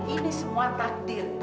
ini semua takdir